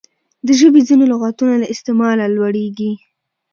د ژبي ځیني لغاتونه له استعماله لوړیږي.